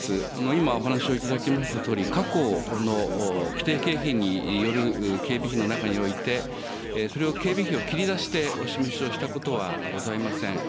今、お話をいただきましたとおり、過去の既定経費による警備費の中において、それを警備費を切り出してお示しをしたことはございません。